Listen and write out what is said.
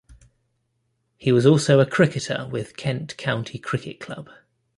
He was also a cricketer with Kent County Cricket Club.